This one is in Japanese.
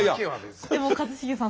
でも一茂さん